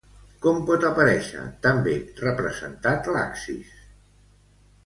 Com pot aparèixer també representat l'axis?